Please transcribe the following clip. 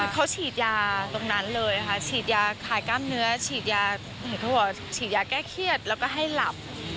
เขาฉีดยาตรงนั้นเลยค่ะฉีดยาขายกล้ามเนื้อฉีดยาแก้เครียดแล้วก็ให้หลับ